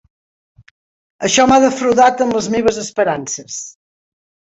Això m'ha defraudat en les meves esperances.